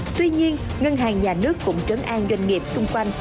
tuy nhiên ngân hàng nhà nước cũng trấn an doanh nghiệp xung quanh